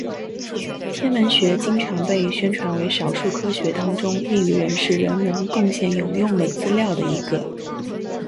天文学经常被宣传为少数科学当中业余人士仍能贡献有用的资料的一个。